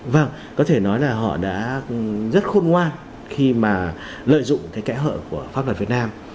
vâng có thể nói là họ đã rất khôn ngoan khi mà lợi dụng cái kẽ hở của pháp luật việt nam